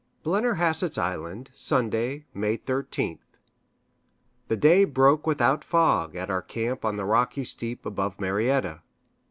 Blennerhassett's Island, Sunday, May 13th. The day broke without fog, at our camp on the rocky steep above Marietta.